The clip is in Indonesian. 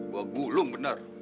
gua gulung bener